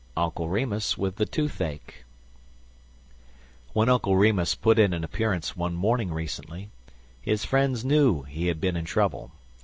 UNCLE REMUS WITH THE TOOTHACHE WHEN Uncle Remus put in an appearance one morning recently, his friends knew he had been in trouble.